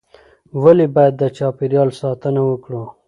ولې باید د چاپیریال ساتنه وکړو؟